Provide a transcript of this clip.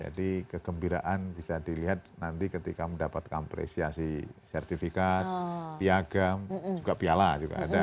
jadi kegembiraan bisa dilihat nanti ketika mendapatkan apresiasi sertifikat piagam juga piala juga ada